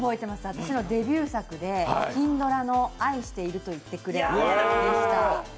私のデビュー作で金ドラの「愛していると言ってくれ」出ました。